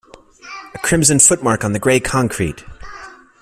A crimson footmark on the grey concrete!